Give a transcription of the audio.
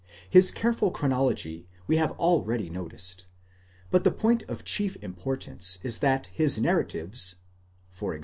His careful chronology we have already noticed ; but the point of chief importance is that his narratives (e.g.